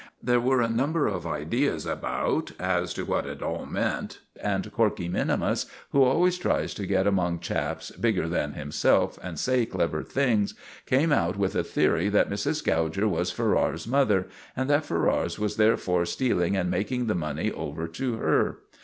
There were a number of ideas about as to what it all meant, and Corkey minimus, who always tries to get among chaps bigger than himself and say clever things, came out with a theory that Mrs. Gouger was Ferrars's mother, and that Ferrars was therefore stealing and making the money over to her.